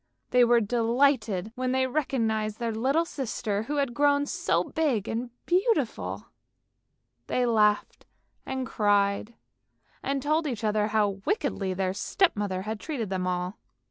They were delighted when they recognised their little sister who had grown so big and beautiful. They laughed and cried, and told each other how wickedly their step mother had treated them all.